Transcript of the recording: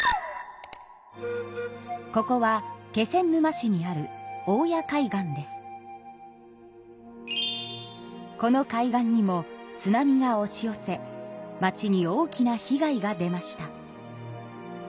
ここは気仙沼市にあるこの海岸にも津波がおし寄せ町に大きな被害が出ました。